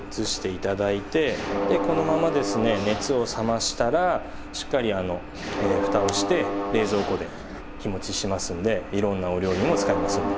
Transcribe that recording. でこのままですね熱を冷ましたらしっかり蓋をして冷蔵庫で日持ちしますのでいろんなお料理にも使えますので。